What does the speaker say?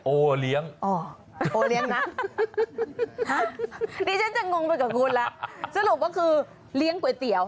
โอเลี้ยงโอโอเลี้ยงนะนี่จะจะงงไปกับคุณละสรุปว่าคือเหลี้ยงก๋วยเตี๋ยว